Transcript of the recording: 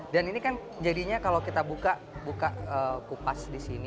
dan ini kan jadinya kalau kita buka kupas di sini